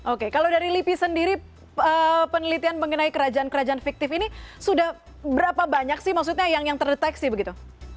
oke kalau dari lipi sendiri penelitian mengenai kerajaan kerajaan fiktif ini sudah berapa banyak sih maksudnya yang terdeteksi begitu